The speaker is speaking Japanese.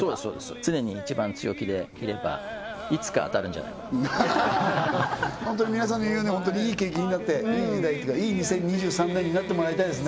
常に一番強気でいればいつか当たるんじゃないかと本当に皆さんの言うように本当にいい景気になっていい時代というかいい２０２３年になってもらいたいですね